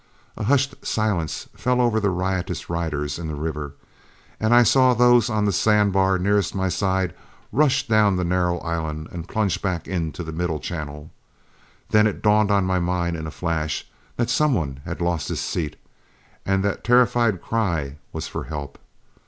A hushed silence fell over the riotous riders in the river, and I saw those on the sand bar nearest my side rush down the narrow island and plunge back into the middle channel. Then it dawned on my mind in a flash that some one had lost his seat, and that terrified cry was for help.